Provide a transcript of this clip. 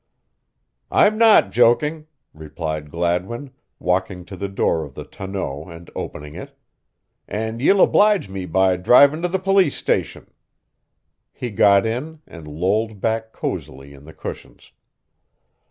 "I'm not jokin'," replied Gladwin, walking to the door of the tonneau and opening it, "and ye'll oblige me by drivin' to the police station." He got in and lolled back cozily in the cushions.